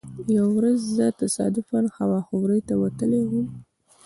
یوه ورځ زه تصادفا هوا خورۍ ته وتلی وم.